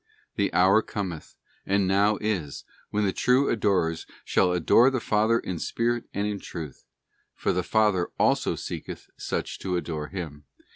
'The hour cometh, and now is, when the true adorers shall adore the Father in spirit and in truth. For | the Father also seeketh such to adore Him.